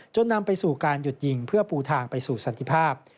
นำไปสู่การหยุดยิงเพื่อปูทางไปสู่สันติภาพ